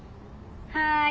はい。